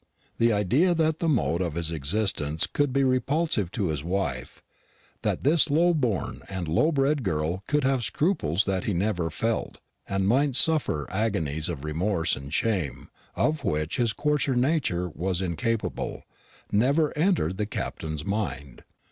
The idea that the mode of his existence could be repulsive to his wife that this low born and low bred girl could have scruples that he never felt, and might suffer agonies of remorse and shame of which his coarser nature was incapable never entered the Captain's mind.